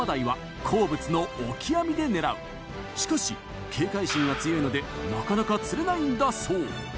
しかし警戒心が強いのでなかなか釣れないんだそう。